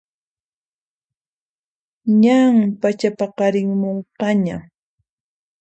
Ñan pachapaqarimunqaña